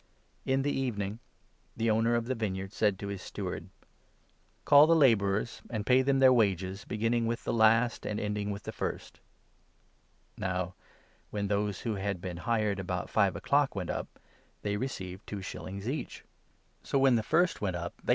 In the evening the owner of the vineyard said to his steward 8 ' Call the labourers, and pay them their wages, beginning with the last, and ending with the first.' Now when those who 9 had been hired about five o'clock went up, they received two shillings each. So, when the first went up, they thought 10 2* Enoch 6a. 3 ; 108.